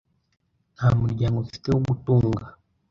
Nta muryango mfite wo gutunga .